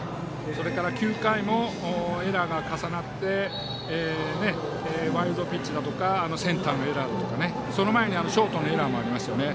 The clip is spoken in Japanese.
それから９回もエラーが重なってワイルドピッチだとかセンターのエラーだとかその前にショートのエラーもありましたよね。